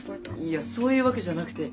いやそういうわけじゃなくて。